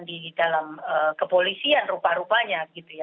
di dalam kepolisian rupa rupanya